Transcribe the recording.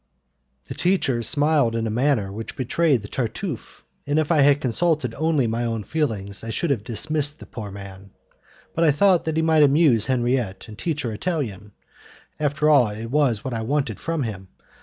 The teacher smiled in a manner which betrayed the Tartufe, and if I had consulted only my own feelings I should have dismissed the poor man, but I thought that he might amuse Henriette and teach her Italian; after all it was what I wanted from him.